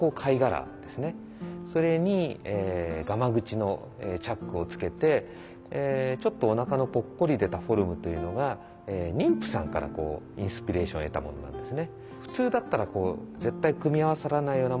それにがま口のチャックを付けてちょっとおなかのポッコリ出たフォルムというのが妊婦さんからインスピレーションを得たものなんですね。